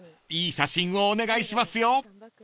いい写真をお願いしますよ］